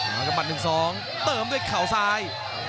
แล้วก็บันหนึ่งสองเติมด้วยเข่าซ้าย